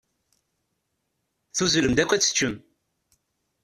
Tuzzlem-d akk ad teččem.